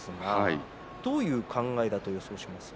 どういう考えと予想しますか。